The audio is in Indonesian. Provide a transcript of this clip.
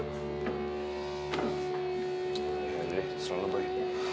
ya udah deh serang lo boy